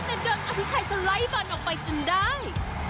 แต่เกิดอธิชัยสะไล้บอลออกไปจนได้